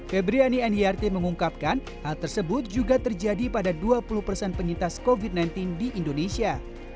febriani nyrt mengungkapkan hal tersebut juga terjadi pada dua puluh persen penyintas covid sembilan belas di indonesia